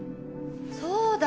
そうだ。